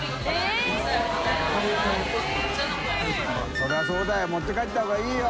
そりゃそうだよ持って帰った方がいいよ。